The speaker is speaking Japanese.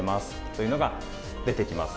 というのが出てきます。